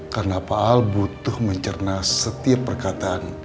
karena pak al butuh mencerna setiap perkataan